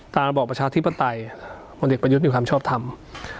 ตามบอกประชาทิศปไตพอเด็กประยุทธมีความชอบทำ